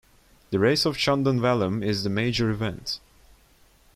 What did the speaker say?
The race of Chundan Vallam is the major event.